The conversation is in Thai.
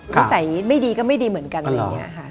นิสัยไม่ดีก็ไม่ดีเหมือนกันอะไรอย่างนี้ค่ะ